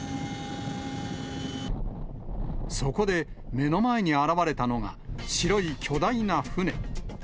そこで目の前に現れたのが、白い巨大な船。